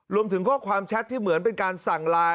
รวมถึงข้อความแชทที่เหมือนเป็นการสั่งไลน์